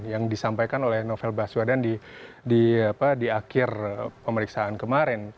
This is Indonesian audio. yang disampaikan oleh novel baswedan di akhir pemeriksaan kemarin